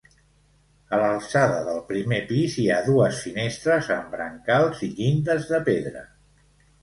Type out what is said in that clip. A l'alçada del primer pis hi ha dues finestres amb brancals i llindes de pedra.